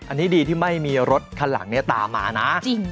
อันนี้ดีที่ไม่มีรถคันหลังตามมานะ